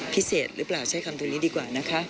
พิเศษรึเปล่าใช้คำทรมานนี้ดีกว่านะคะ